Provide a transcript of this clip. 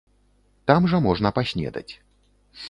Там жа можна паснедаць.